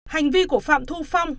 hành vi của phạm thu phong